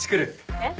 えっ？